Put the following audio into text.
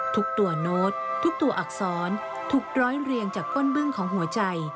ทุกตัวโน้ตทุกตัวอักษรถูกร้อยเรียงจากก้นบึ้งของหัวใจ